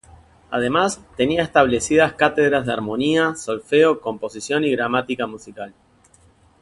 Además, tenía establecidas cátedras de harmonía, solfeo, composición y gramática musical.